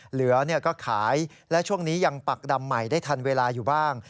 เหลือก็ขายและช่วงนี้ยังปักดำใหม่ได้ทันเวลาอยู่บ้าง